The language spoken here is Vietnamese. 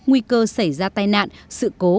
nguy cơ xảy ra tai nạn sự cố